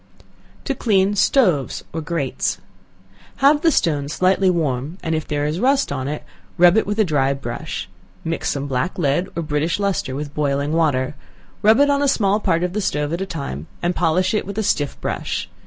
To Clean Stoves or Grates. Have the stove slightly warm, and if there is rust on it rub it off with a dry brush; mix some black lead or British lustre with boiling water, rub it on a small part of the stove at a time, and polish it with a stiff brush.